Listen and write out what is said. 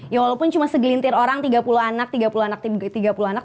ya walaupun cuma segelintir orang tiga puluh anak tiga puluh anak tiga puluh anak